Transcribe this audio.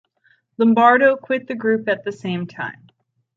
Lombardo quit the group at the same time.